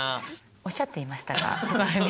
「おっしゃっていましたが」とかね。